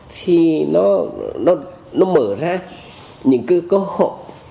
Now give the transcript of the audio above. thì nó mở ra những cơ hội